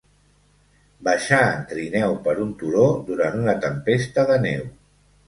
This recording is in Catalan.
Baixar en trineu per un turó durant una tempesta de neu.